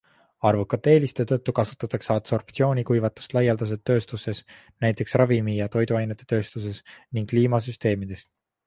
Arvukate eeliste tõttu kasutatakse adsorptsioonkuivatust laialdaselt tööstuses, näiteks ravimi- ja toiduainetetööstuses ning kliimasüsteemides.